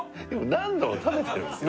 何度も食べてるんですよね？